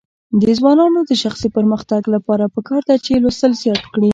د ځوانانو د شخصي پرمختګ لپاره پکار ده چې لوستل زیات کړي.